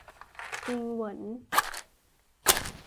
อิงเหวิน